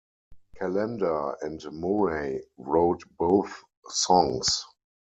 Callander and Murray wrote both songs.